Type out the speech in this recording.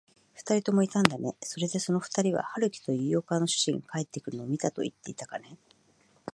ふたりもいたんだね。それで、そのふたりは、春木という洋館の主人が帰ってくるのを見たといっていたかね。